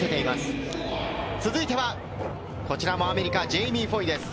続いてはこちらもアメリカ、ジェイミー・フォイです。